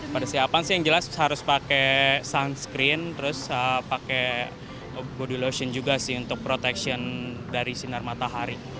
persiapan sih yang jelas harus pakai sunscreen terus pakai body lotion juga sih untuk protection dari sinar matahari